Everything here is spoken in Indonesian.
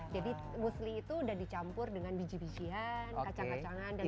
jadi musli itu sudah dicampur dengan biji bijian kacang kacangan dan buah krim